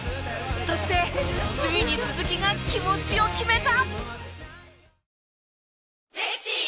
そしてついに鈴木が気持ちを決めた！